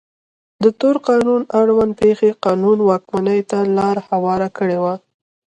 د تور قانون اړوند پېښې قانون واکمنۍ ته لار هواره کړې وه.